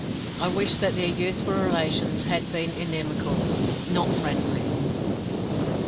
I wished that their youthful relations had been inimical, not friendly.